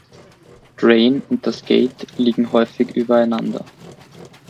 Drain und das Gate liegen häufig übereinander.